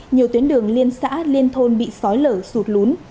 nhiều tuyến đường liên xã liên thôn bị sói lở sụt lún